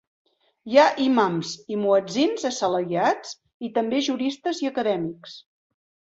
Hi ha imams i muetzins assalariats, i també juristes i acadèmics.